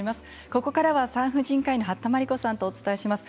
ここからは産婦人科医の八田真理子さんとお伝えします。